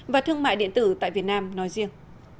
và thương mại điện tử tại việt nam nói riêng